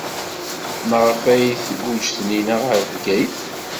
Maɣef ay tguǧǧ Taninna ɣer Bgayet?